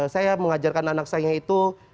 saya mengajarkan anak saya itu